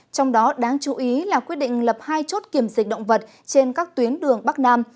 trong đó đáng chú ý là quyết định lập hai chốt kiểm dịch động vật trên các tuyến đường bắc nam